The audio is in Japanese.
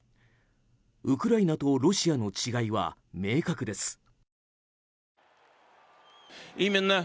ウクライナとロシアの違いは明確です。